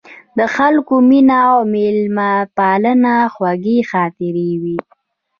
د خلکو مینه او میلمه پالنه خوږې خاطرې وې.